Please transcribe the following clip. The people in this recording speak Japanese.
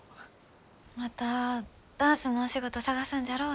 またダンスのお仕事探すんじゃろう？